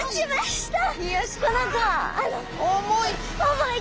重い！